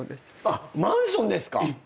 あっマンションですか。